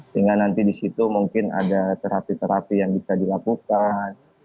sehingga nanti di situ mungkin ada terapi terapi yang bisa dilakukan